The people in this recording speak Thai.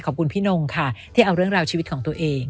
พี่นงค่ะที่เอาเรื่องราวชีวิตของตัวเอง